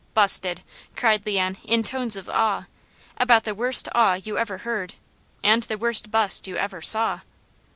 "Busted!" cried Leon in tones of awe; about the worst awe you ever heard, and the worst bust you ever saw.